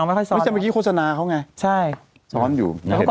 ไม่ได้กินกูง่ายหรอก